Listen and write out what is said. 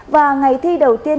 và ngày thi đầu tiên